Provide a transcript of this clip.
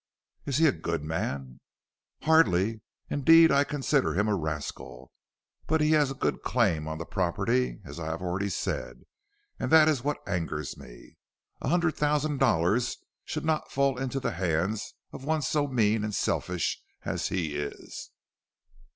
"Is he a good man?" "Hardly. Indeed I consider him a rascal; but he has a good claim on the property, as I have already said, and that is what angers me. A hundred thousand dollars should not fall into the hands of one so mean and selfish as he is."